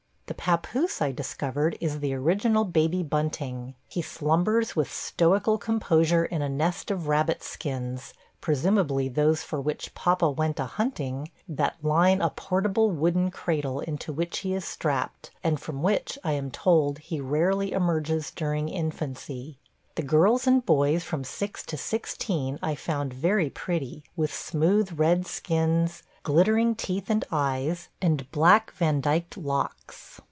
The pappoose, I discovered, is the original Baby Bunting. He slumbers with stoical composure in a nest of rabbit skins – presumably those for which "papa went a hunting" – that line a portable wooden cradle into which he is strapped, and from which, I am told, he rarely emerges during infancy. The girls and boys from six to sixteen I found very pretty, with smooth red skins, glittering teeth and eyes, and black Vandyked locks.